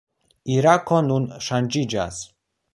Irako nun ŝanĝiĝas.